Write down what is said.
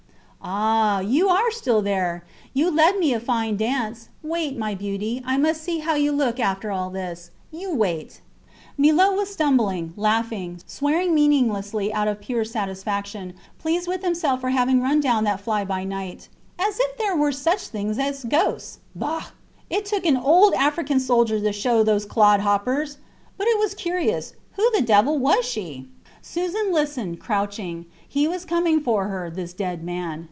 Ah! You are still there. You led me a fine dance. Wait, my beauty, I must see how you look after all this. You wait. ... Millot was stumbling, laughing, swearing meaninglessly out of pure satisfaction, pleased with himself for having run down that fly by night. As if there were such things as ghosts! Bah! It took an old African soldier to show those clodhoppers. ... But it was curious. Who the devil was she? Susan listened, crouching. He was coming for her, this dead man.